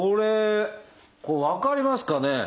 これ分かりますかね？